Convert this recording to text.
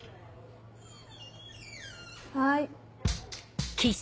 はい。